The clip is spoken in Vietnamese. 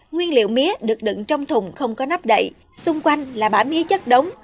nguyên liệu mía được đựng trong thùng không có nắp đậy xung quanh là bã mía chất đống